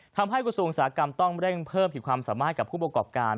กระทรวงอุตสาหกรรมต้องเร่งเพิ่มผิดความสามารถกับผู้ประกอบการ